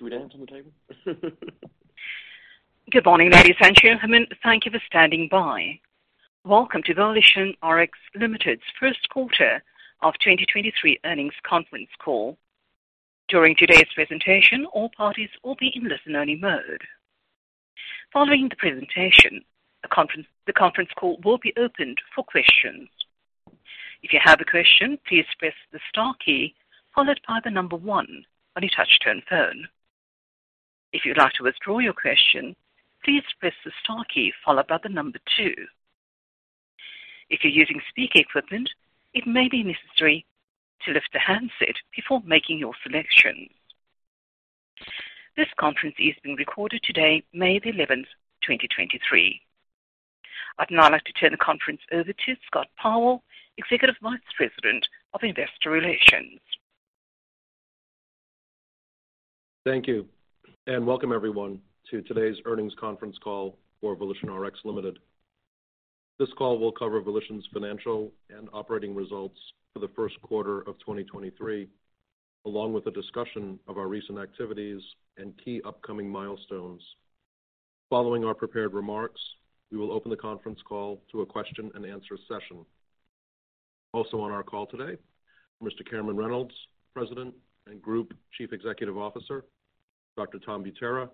Do we dance on the table? Good morning, ladies and gentlemen. Thank you for standing by. Welcome to VolitionRx Limited's Q1 of 2023 earnings conference call. During today's presentation, all parties will be in listen-only mode. Following the presentation, the conference call will be opened for questions. If you have a question, please press the star key followed by the number 1 on your touch-tone phone. If you'd like to withdraw your question, please press the star key followed by the number 2. If you're using speaker equipment, it may be necessary to lift the handset before making your selection. This conference is being recorded today, May 11th, 2023. I'd now like to turn the conference over to Scott Powell, Executive Vice President of Investor Relations. Welcome everyone to today's earnings conference call for VolitionRx Limited. This call will cover Volition's financial and operating results for the Q1 of 2023, along with a discussion of our recent activities and key upcoming milestones. Following our prepared remarks, we will open the conference call to a question-and-answer session. Also on our call today, Mr. Cameron Reynolds, President and Group Chief Executive Officer, Dr. Tom Butera,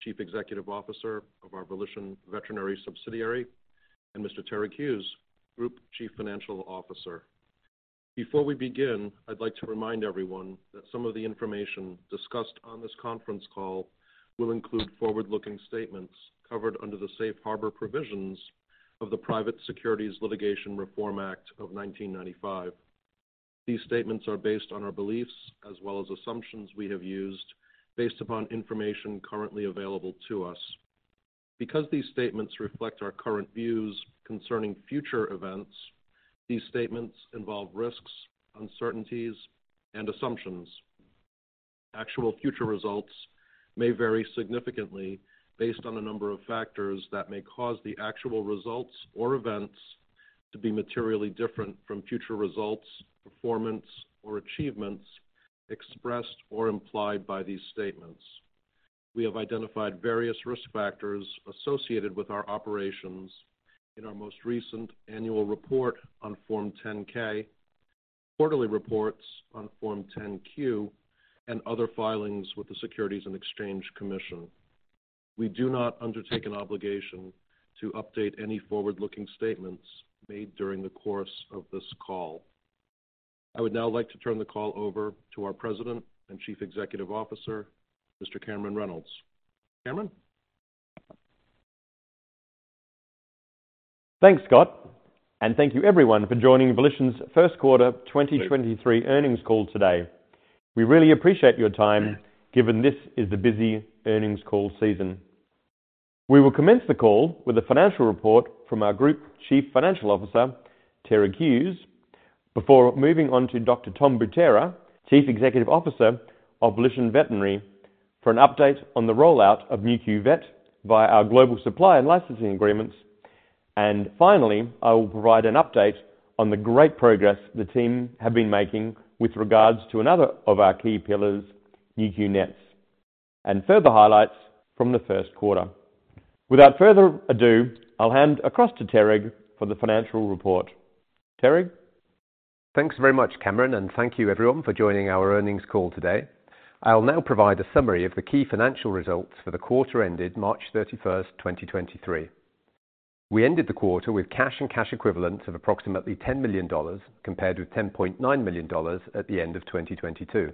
Chief Executive Officer of our Volition Veterinary subsidiary, and Mr. Terig Hughes, Group Chief Financial Officer. Before we begin, I'd like to remind everyone that some of the information discussed on this conference call will include forward-looking statements covered under the safe harbor provisions of the Private Securities Litigation Reform Act of 1995. These statements are based on our beliefs as well as assumptions we have used based upon information currently available to us. Because these statements reflect our current views concerning future events, these statements involve risks, uncertainties, and assumptions. Actual future results may vary significantly based on a number of factors that may cause the actual results or events to be materially different from future results, performance, or achievements expressed or implied by these statements. We have identified various risk factors associated with our operations in our most recent annual report on Form 10-K, quarterly reports on Form 10-Q, and other filings with the Securities and Exchange Commission. We do not undertake an obligation to update any forward-looking statements made during the course of this call. I would now like to turn the call over to our President and Chief Executive Officer, Mr. Cameron Reynolds. Cameron. Thanks, Scott. Thank you everyone for joining Volition's Q1 2023 earnings call today. We really appreciate your time, given this is the busy earnings call season. We will commence the call with a financial report from our Group Chief Financial Officer, Terig Hughes, before moving on to Dr. Tom Butera, Chief Executive Officer of Volition Veterinary, for an update on the rollout of Nu.Q Vet by our global supply and licensing agreements. Finally, I will provide an update on the great progress the team have been making with regards to another of our key pillars, Nu.Q NETs, and further highlights from the Q1. Without further ado, I'll hand across to Terig the financial report. Terig. Thanks very much, Cameron. Thank you everyone for joining our earnings call today. I'll now provide a summary of the key financial results for the quarter ended March 31, 2023. We ended the quarter with cash and cash equivalents of approximately $10 million compared with $10.9 million at the end of 2022.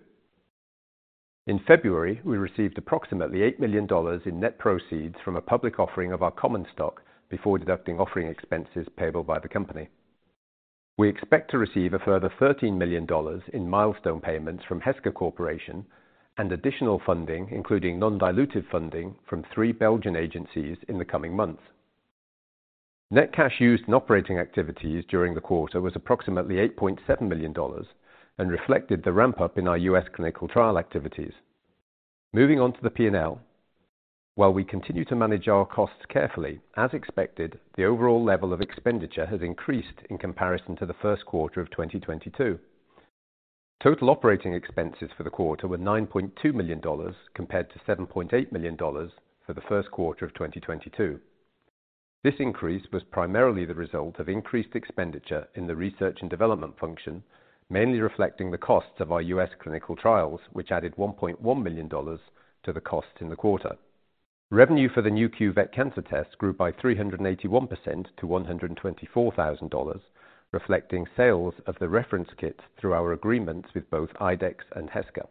In February, we received approximately $8 million in net proceeds from a public offering of our common stock before deducting offering expenses payable by the company. We expect to receive a further $13 million in milestone payments from Heska Corporation and additional funding, including non-dilutive funding from three Belgian agencies in the coming months. Net cash used in operating activities during the quarter was approximately $8.7 million and reflected the ramp-up in our U.S. clinical trial activities. Moving on to the P&L. While we continue to manage our costs carefully, as expected, the overall level of expenditure has increased in comparison to the Q1 of 2022. Total operating expenses for the quarter were $9.2 million compared to $7.8 million for the Q1 of 2022. This increase was primarily the result of increased expenditure in the research and development function, mainly reflecting the costs of our U.S. clinical trials, which added $1.1 million to the cost in the quarter. Revenue for the Nu.Q Vet cancer test grew by 381% to $124,000, reflecting sales of the reference kit through our agreements with both IDEXX and Heska.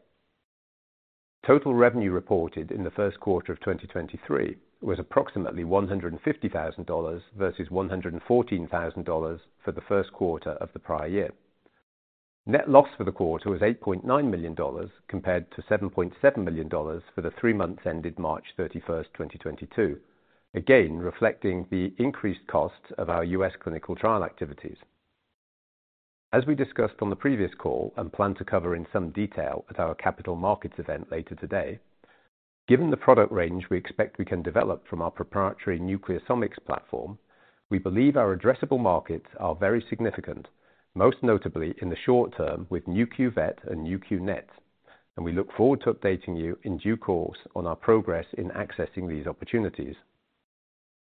Total revenue reported in the Q1 of 2023 was approximately $150,000 versus $114,000 for the Q1 of the prior year. Net loss for the quarter was $8.9 million compared to $7.7 million for the three months ended March 31st, 2022, again, reflecting the increased costs of our U.S. clinical trial activities. We discussed on the previous call and plan to cover in some detail at our capital markets event later today. Given the product range we expect we can develop from our proprietary Nucleosomics platform, we believe our addressable markets are very significant, most notably in the short term with Nu.Q Vet and Nu.Q NET, we look forward to updating you in due course on our progress in accessing these opportunities.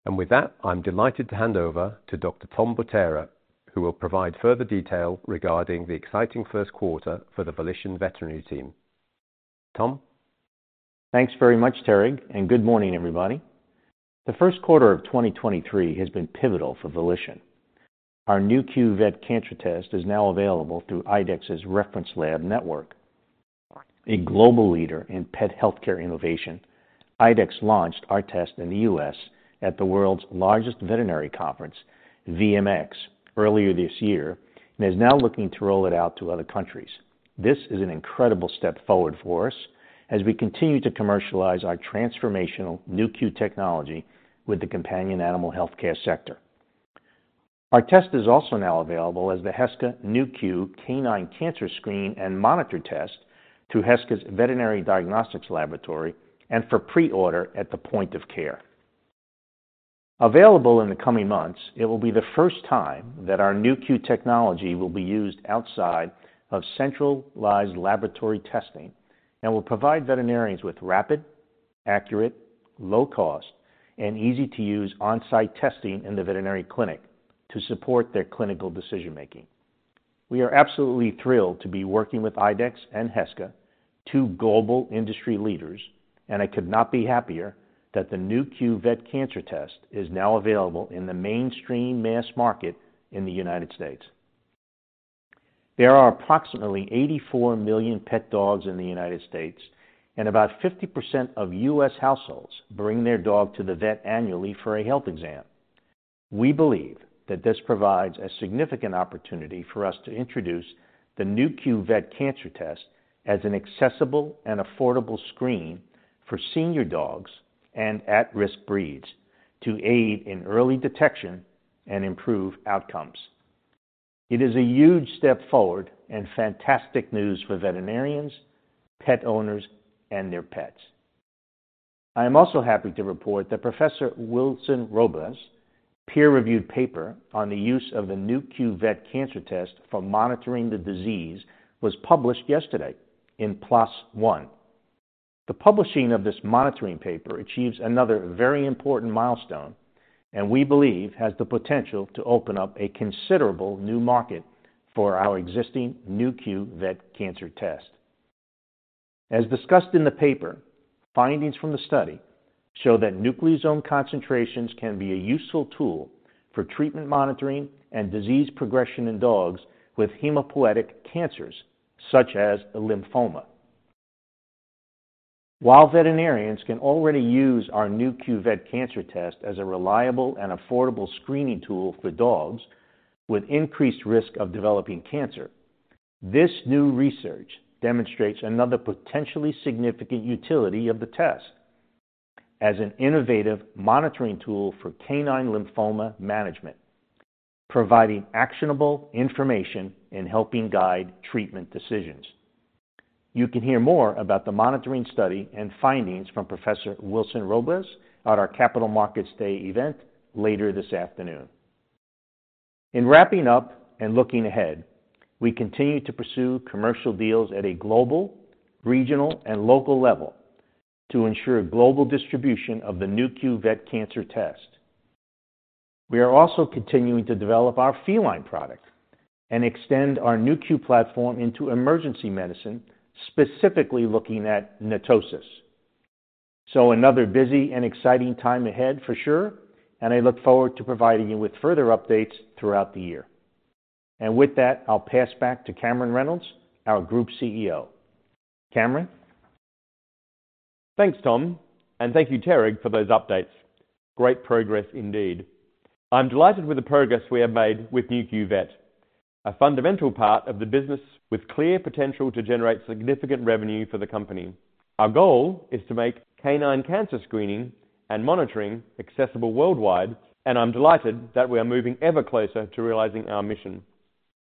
With that, I'm delighted to hand over to Dr. Tom Butera, who will provide further detail regarding the exciting Q1 for the Volition Veterinary team. Tom? Thanks very much, Terig. Good morning, everybody. The Q1 of 2023 has been pivotal for Volition. Our Nu.Q Vet cancer test is now available through IDEXX's reference lab network. A global leader in pet healthcare innovation, IDEXX launched our test in the U.S. at the world's largest veterinary conference, VMX, earlier this year. Is now looking to roll it out to other countries. This is an incredible step forward for us as we continue to commercialize our transformational Nu.Q technology with the companion animal healthcare sector. Our test is also now available as the Heska Nu.Q Canine Cancer Screen and Monitor test through Heska's veterinary diagnostic laboratory and for pre-order at the point of care. Available in the coming months, it will be the first time that our Nu.Q technology will be used outside of centralized laboratory testing and will provide veterinarians with rapid, accurate, low-cost, and easy-to-use on-site testing in the veterinary clinic to support their clinical decision making. We are absolutely thrilled to be working with IDEXX and Heska, two global industry leaders. I could not be happier that the Nu.Q Vet cancer test is now available in the mainstream mass market in the United States. There are approximately 84 million pet dogs in the United States. About 50% of US households bring their dog to the vet annually for a health exam. We believe that this provides a significant opportunity for us to introduce the Nu.Q Vet cancer test as an accessible and affordable screen for senior dogs and at-risk breeds to aid in early detection and improve outcomes. It is a huge step forward and fantastic news for veterinarians, pet owners, and their pets. I am also happy to report that Professor Heather Wilson-Robles' peer-reviewed paper on the use of the Nu.Q Vet cancer test for monitoring the disease was published yesterday in PLOS ONE. The publishing of this monitoring paper achieves another very important milestone, and we believe has the potential to open up a considerable new market for our existing Nu.Q Vet cancer test. As discussed in the paper, findings from the study show that nucleosome concentrations can be a useful tool for treatment monitoring and disease progression in dogs with hematopoietic cancers, such as lymphoma. While veterinarians can already use our Nu.Q Vet cancer test as a reliable and affordable screening tool for dogs with increased risk of developing cancer, this new research demonstrates another potentially significant utility of the test as an innovative monitoring tool for canine lymphoma management, providing actionable information and helping guide treatment decisions. You can hear more about the monitoring study and findings from Professor Heather Wilson-Robles at our Capital Markets Day event later this afternoon. In wrapping up and looking ahead, we continue to pursue commercial deals at a global, regional, and local level to ensure global distribution of the Nu.Q Vet cancer test. We are also continuing to develop our feline product and extend our Nu.Q platform into emergency medicine, specifically looking at NETosis. Another busy and exciting time ahead for sure, and I look forward to providing you with further updates throughout the year. With that, I'll pass back to Cameron Reynolds, our Group CEO. Cameron? Thanks, Tom, and thank you, Terig, for those updates. Great progress indeed. I'm delighted with the progress we have made with Nu.Q Vet, a fundamental part of the business with clear potential to generate significant revenue for the company. Our goal is to make canine cancer screening and monitoring accessible worldwide, and I'm delighted that we are moving ever closer to realizing our mission.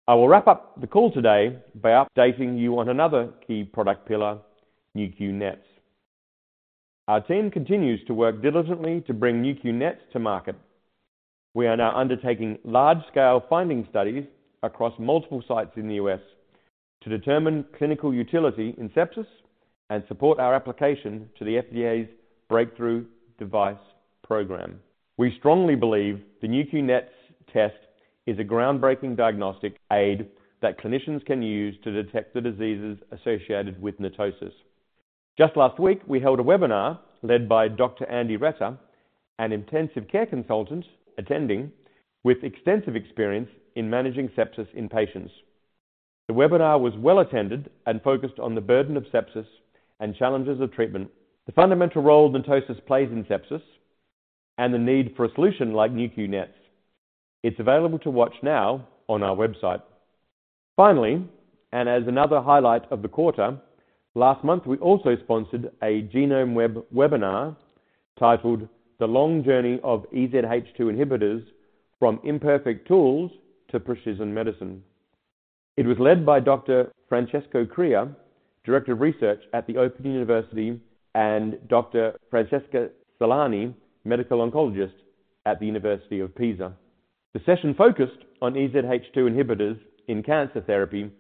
I will wrap up the call today by updating you on another key product pillar, Nu.Q NET. Our team continues to work diligently to bring Nu.Q NET to market. Ee are now undertaking large-scale finding studies across multiple sites in the U.S. to determine clinical utility in sepsis and support our application to the FDA's Breakthrough Devices Program. We strongly believe the Nu.Q NET's test is a groundbreaking diagnostic aid that clinicians can use to detect the diseases associated with NETosis. Just last week, we held a webinar led by Dr. Andrew Retter, an intensive care consultant attending with extensive experience in managing sepsis in patients. The webinar was well-attended and focused on the burden of sepsis and challenges of treatment, the fundamental role NETosis plays in sepsis, and the need for a solution like Nu.Q NET. It's available to watch now on our website. As another highlight of the quarter, last month, we also sponsored a GenomeWeb webinar titled The Long Journey of EZH2 Inhibitors from Imperfect Tools to Precision Medicine. It was led by Dr. Francesco Crea, Director of Research at The Open University, and Dr. Francesca Celani, Medical Oncologist at the University of Pisa. The session focused on EZH2 inhibitors in cancer therapy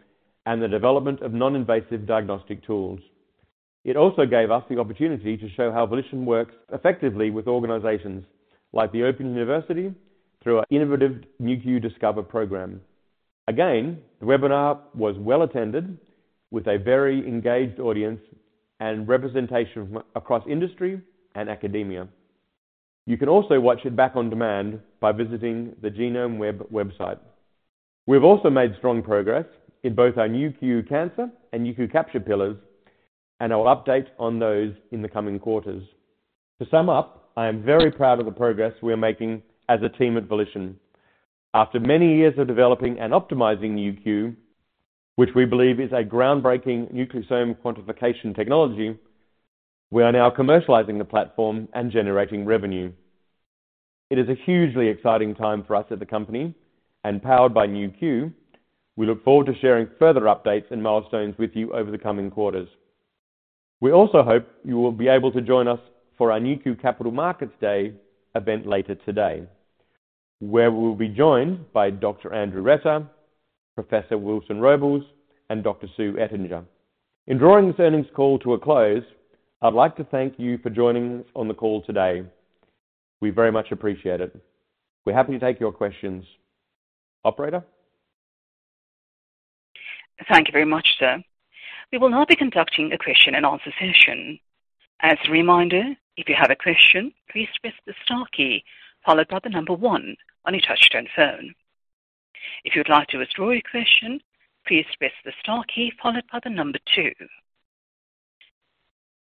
and the development of non-invasive diagnostic tools. It also gave us the opportunity to show how Volition works effectively with organizations like The Open University through our innovative Nu.Q Discover program. The webinar was well-attended with a very engaged audience and representation across industry and academia. You can also watch it back on demand by visiting the GenomeWeb website. We've also made strong progress in both our Nu.Q® Cancer and Nu.Q® Capture pillars. I will update on those in the coming quarters. To sum up, I am very proud of the progress we are making as a team at Volition. After many years of developing and optimizing Nu.Q®, which we believe is a groundbreaking nucleosome quantification technology, we are now commercializing the platform and generating revenue. It is a hugely exciting time for us at the company and powered by Nu.Q®. We look forward to sharing further updates and milestones with you over the coming quarters. We also hope you will be able to join us for our Nu.Q Capital Markets Day event later Today, where we'll be joined by Dr. Andrew Retter, Professor Wilson-Robles and Dr. Sue Ettinger. In drawing this earnings call to a close, I'd like to thank you for joining us on the call today. We very much appreciate it. We're happy to take your questions. Operator. Thank you very much, sir. We will now be conducting a question and answer session. As a reminder, if you have a question, please press the star key followed by one on your touchtone phone. If you'd like to withdraw your question, please press the star key followed by two.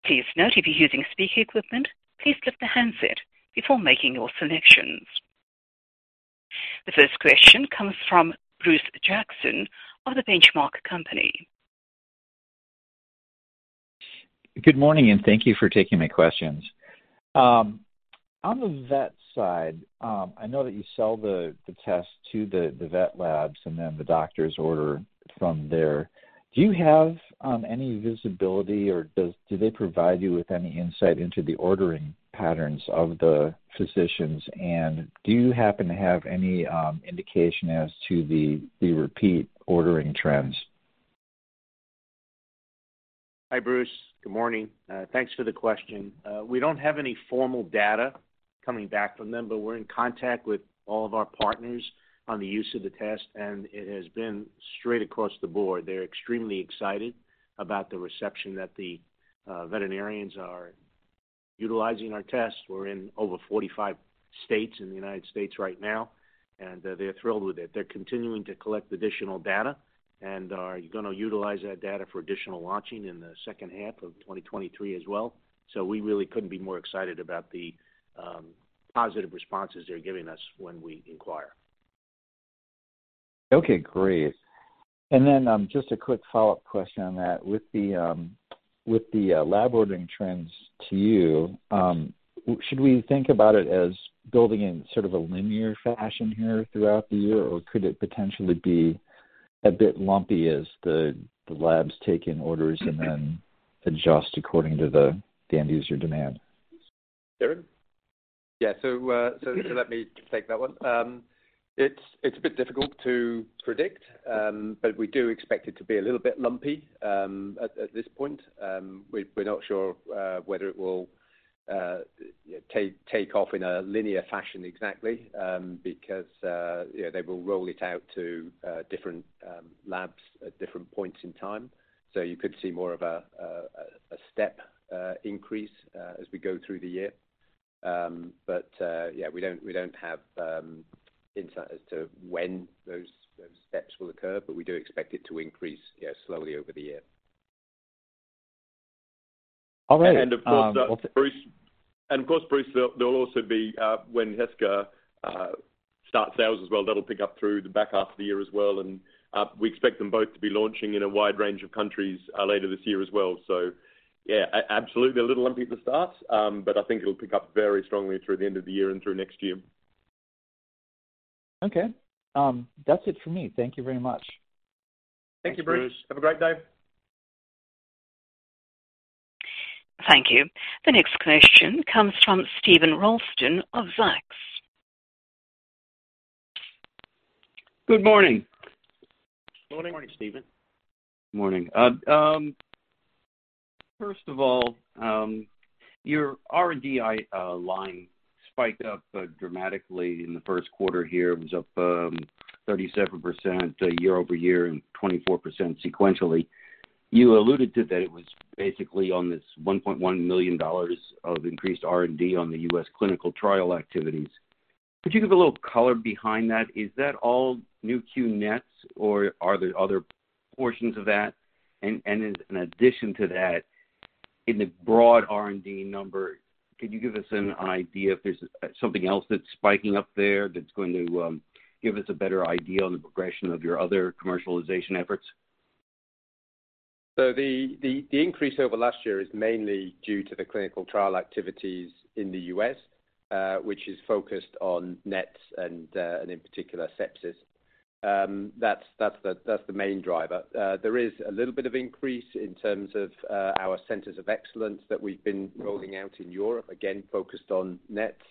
Please note if you're using speaker equipment, please lift the handset before making your selections. The first question comes from Bruce Jackson of The Benchmark Company. Good morning. Thank you for taking my questions. On the vet side, I know that you sell the test to the vet labs and then the doctors order from there. Do you have any visibility or do they provide you with any insight into the ordering patterns of the physicians? Do you happen to have any indication as to the repeat ordering trends? Hi, Bruce. Good morning. Thanks for the question. We don't have any formal data coming back from them, but we're in contact with all of our partners on the use of the test, and it has been straight across the board. They're extremely excited about the reception that the veterinarians are utilizing our tests. We're in over 45 states in the United States right now, and they're thrilled with it. They're continuing to collect additional data and are gonna utilize that data for additional launching in the second half of 2023 as well. We really couldn't be more excited about the positive responses they're giving us when we inquire. Okay, great. Just a quick follow-up question on that. With the lab ordering trends to you, should we think about it as building in sort of a linear fashion here throughout the year, or could it potentially be a bit lumpy as the labs take in orders and then adjust according to the end user demand? Darren. Yeah. Let me take that one. It's a bit difficult to predict, but we do expect it to be a little bit lumpy at this point. We're not sure whether it will take off in a linear fashion exactly, because, you know, they will roll it out to different labs at different points in time. So you could see more of a step increase as we go through the year. Yeah, we don't have insight as to when those steps will occur, but we do expect it to increase, yeah, slowly over the year. All right. Of course, Bruce, there will also be when Heska start sales as well, that'll pick up through the back half of the year as well. We expect them both to be launching in a wide range of countries later this year as well. Yeah, absolutely a little lumpy at the start, but I think it'll pick up very strongly through the end of the year and through next year. That's it for me. Thank you very much. Thank you, Bruce. Have a great day. Thank you. The next question comes from Steven Ralston of Zacks. Good morning. Morning. Morning, Steven. Morning. First of all, your R&D line spiked up dramatically in the Q1 here. It was up 37% year-over-year and 24% sequentially. You alluded to that it was basically on this $1.1 million of increased R&D on the U.S. clinical trial activities. Could you give a little color behind that? Is that all Nu.Q NETs or are there other portions of that? In addition to that, in the broad R&D number, could you give us an idea if there's something else that's spiking up there that's going to give us a better idea on the progression of your other commercialization efforts? The increase over last year is mainly due to the clinical trial activities in the US, which is focused on NETs and in particular sepsis. That's the main driver. There is a little bit of increase in terms of our centers of excellence that we've been rolling out in Europe, again, focused on NETs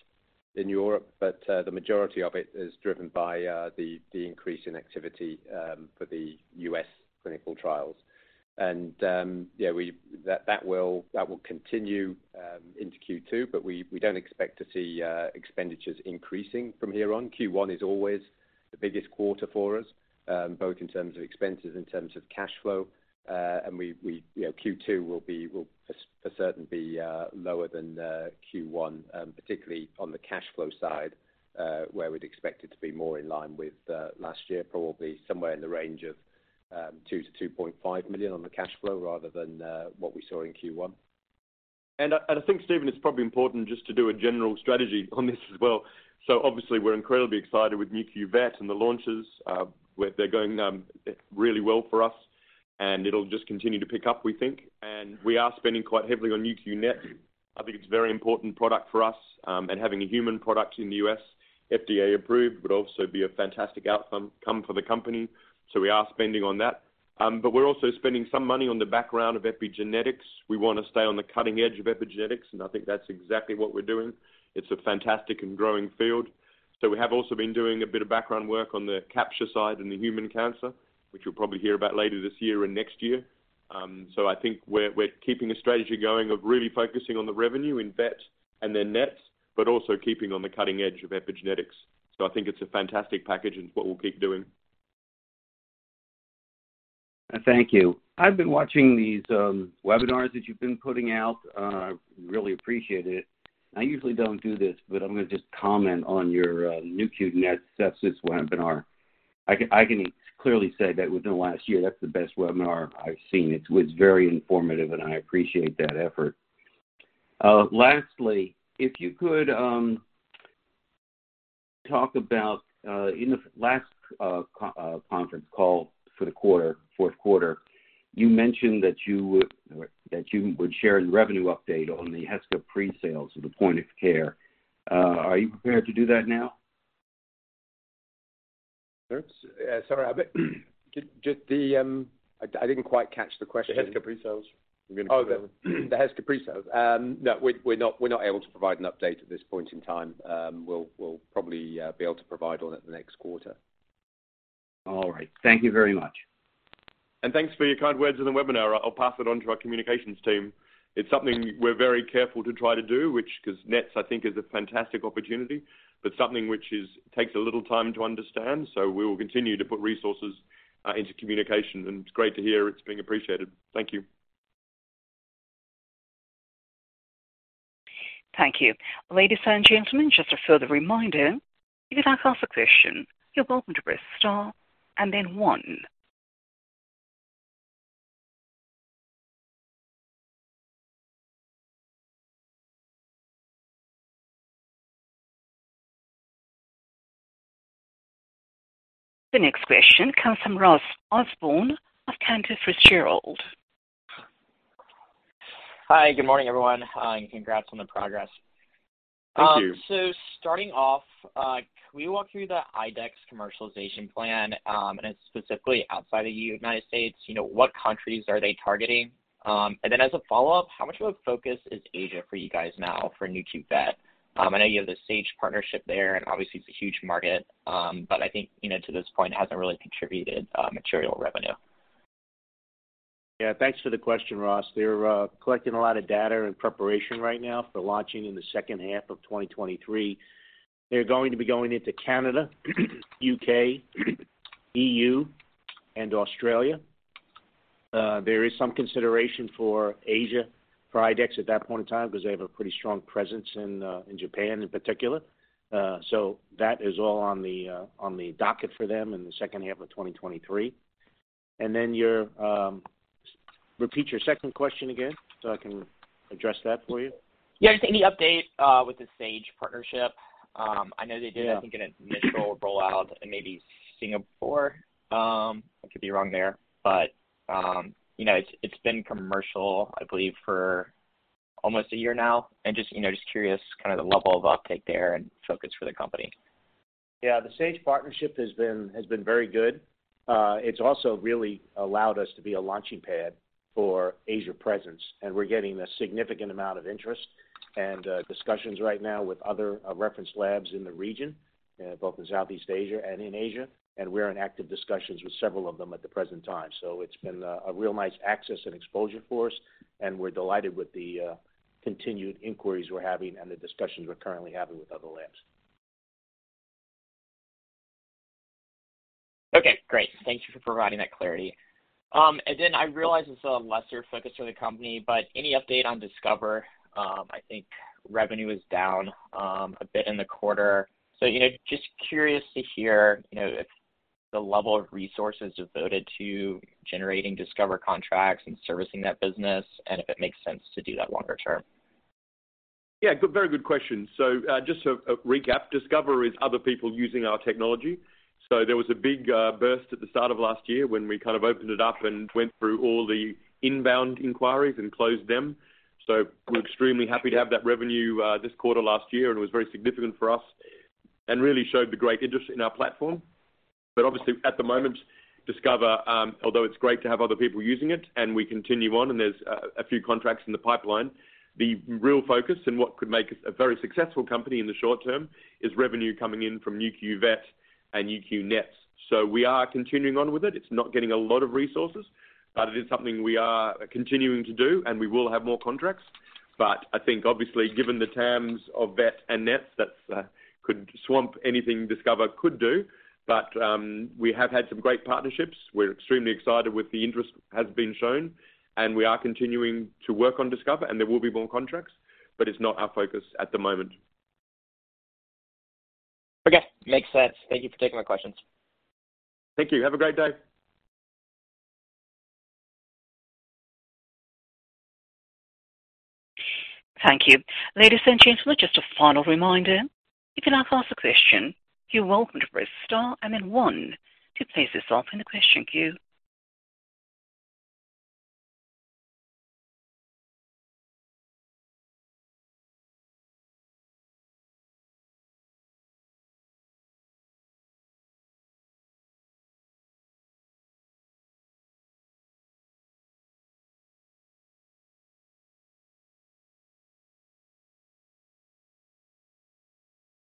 in Europe, but the majority of it is driven by the increase in activity for the US clinical trials. Yeah, that will continue into Q2, but we don't expect to see expenditures increasing from here on. Q1 is always the biggest quarter for us, both in terms of expenses, in terms of cash flow. We, you know, Q2 will for certain be lower than Q1, particularly on the cash flow side, where we'd expect it to be more in line with last year, probably somewhere in the range of $2 million-$2.5 million on the cash flow rather than what we saw in Q1. I think, Steven, it's probably important just to do a general strategy on this as well. Obviously we're incredibly excited with Nu.Q Vet and the launches, where they're going really well for us, and it'll just continue to pick up, we think. We are spending quite heavily on Nu.Q NET. I think it's a very important product for us, and having a human product in the U.S. FDA approved would also be a fantastic outcome for the company. We are spending on that. But we're also spending some money on the background of epigenetics. We want to stay on the cutting edge of epigenetics, and I think that's exactly what we're doing. It's a fantastic and growing field. We have also been doing a bit of background work on the capture side and the human cancer, which you'll probably hear about later this year and next year. I think we're keeping a strategy going of really focusing on the revenue in Vet and then Net, but also keeping on the cutting edge of epigenetics. I think it's a fantastic package and what we'll keep doing. Thank you. I've been watching these webinars that you've been putting out, really appreciate it. I usually don't do this, but I'm gonna just comment on your Nu.Q NET Sepsis webinar. I can clearly say that within the last year, that's the best webinar I've seen. It was very informative. I appreciate that effort. Lastly, if you could talk about, in the last conference call for the quarter, fourth quarter, you mentioned that you would share a revenue update on the Heska pre-sales or the point of care. Are you prepared to do that now? Sorry, just the, I didn't quite catch the question. The Heska pre-sales. Oh, the Heska pre-sales. No, we're not able to provide an update at this point in time. We'll probably be able to provide on it the next quarter. All right. Thank you very much. Thanks for your kind words on the webinar. I'll pass it on to our communications team. It's something we're very careful to try to do, which because NETs, I think, is a fantastic opportunity, but something which is takes a little time to understand. We will continue to put resources into communication, and it's great to hear it's being appreciated. Thank you. Thank you. Ladies and gentlemen, just a further reminder, if you'd like ask a question, you're welcome to press star and then one. The next question comes from Ross Osborn of Cantor Fitzgerald. Hi, good morning, everyone, and congrats on the progress. Thank you. Starting off, can we walk through the IDEXX commercialization plan, and specifically outside of the United States. You know, what countries are they targeting? As a follow-up, how much of a focus is Asia for you guys now for Nu.Q Vet? I know you have the Sage partnership there, and obviously it's a huge market, but I think, you know, to this point, it hasn't really contributed material revenue. Yeah, thanks for the question, Ross. They're collecting a lot of data in preparation right now for launching in the second half of 2023. They're going to be going into Canada, U.K., E.U., and Australia. There is some consideration for Asia for IDEXX at that point in time because they have a pretty strong presence in Japan in particular. That is all on the docket for them in the second half of 2023. Repeat your second question again so I can address that for you. Yeah. Just any update with the SAGE partnership. Yeah. I think an initial rollout in maybe Singapore. I could be wrong there. You know, it's been commercial, I believe, for almost a year now. Just, you know, just curious kind of the level of uptake there and focus for the company. Yeah. The SAGE partnership has been very good. It's also really allowed us to be a launching pad for Asia presence, and we're getting a significant amount of interest and discussions right now with other reference labs in the region, both in Southeast Asia and in Asia. We're in active discussions with several of them at the present time. It's been a real nice access and exposure for us, and we're delighted with the continued inquiries we're having and the discussions we're currently having with other labs. Okay, great. Thank you for providing that clarity. I realize it's a lesser focus for the company, but any update on Discover? I think revenue is down a bit in the quarter. You know, just curious to hear, you know, if the level of resources devoted to generating Discover contracts and servicing that business and if it makes sense to do that longer term. Yeah. Good, very good question. Just to recap, Nu.Q Discover is other people using our technology. There was a big burst at the start of last year when we kind of opened it up and went through all the inbound inquiries and closed them. We're extremely happy to have that revenue this quarter last year, and it was very significant for us and really showed the great interest in our platform. Obviously, at the moment, Nu.Q Discover, although it's great to have other people using it, and we continue on, and there's a few contracts in the pipeline, the real focus and what could make us a very successful company in the short term is revenue coming in from Nu.Q Vet and Nu.Q NET. We are continuing on with it. It's not getting a lot of resources, but it is something we are continuing to do, and we will have more contracts. I think obviously given the terms of Nu.Q Vet and Nu.Q NET, that's could swamp anything Nu.Q Discover could do. We have had some great partnerships. We're extremely excited with the interest has been shown, and we are continuing to work on Nu.Q Discover, and there will be more contracts, but it's not our focus at the moment. Okay. Makes sense. Thank you for taking my questions. Thank you. Have a great day. Thank you. Ladies and gentlemen, just a final reminder. You can now ask a question. You're welcome to press star and then 1 to place yourself in the question queue.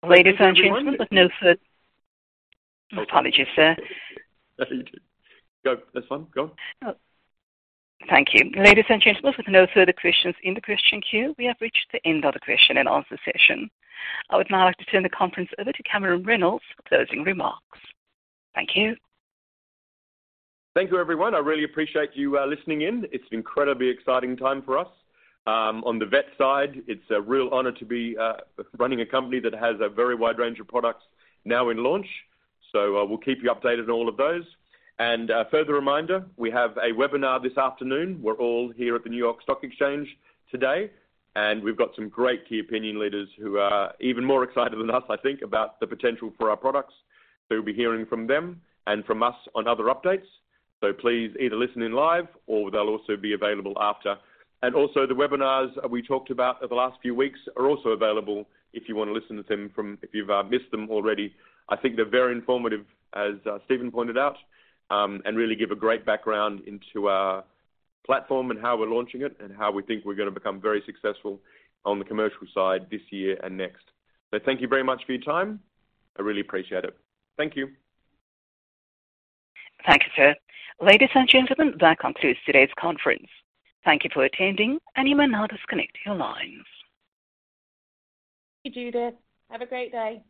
Ladies and gentlemen, Apologies, sir. Go. That's fine. Go on. Thank you. Ladies and gentlemen, with no further questions in the question queue, we have reached the end of the question and answer session. I would now like to turn the conference over to Cameron Reynolds for closing remarks. Thank you. Thank you, everyone. I really appreciate you listening in. It's an incredibly exciting time for us. On the Vet side, it's a real honor to be running a company that has a very wide range of products now in launch. We'll keep you updated on all of those. A further reminder, we have a webinar this afternoon. We're all here at the New York Stock Exchange today, and we've got some great key opinion leaders who are even more excited than us, I think, about the potential for our products. You'll be hearing from them and from us on other updates. Please either listen in live or they'll also be available after. Also the webinars we talked about over the last few weeks are also available, if you wanna listen to them if you've missed them already. I think they're very informative, as Steven pointed out, and really give a great background into our platform and how we're launching it and how we think we're gonna become very successful on the commercial side this year and next. Thank you very much for your time. I really appreciate it. Thank you. Thank you, sir. Ladies and gentlemen, that concludes today's conference. Thank you for attending. You may now disconnect your lines. Thank you, Judith. Have a great day.